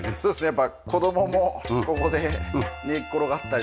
やっぱ子供もここで寝っ転がったりとか。